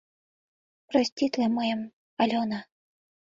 Проститле мыйым, Алёна!